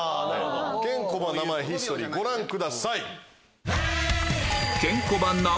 ケンコバ名前ヒストリーご覧ください。